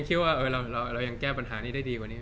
ที่อย่างแก้ปัญหานี้ได้ดีกว่านี้